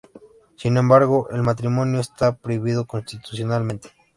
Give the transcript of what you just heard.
Sin embargo, el matrimonio está prohibido constitucionalmente.